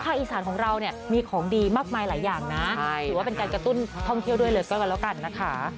ภาคอีสานของเรามีของดีมากมายหลายอย่างนะถือว่าการกระตุ้นท่องเที่ยวด้วยเลยกันกันนะคะ